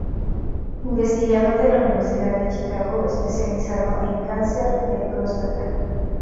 Investigador de la Universidad de Chicago especializado en cáncer de próstata.